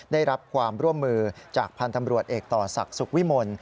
ได้รับความร่วมมือจากพันธ์ตำรวจเอกต่อศักดิ์สุขวิมล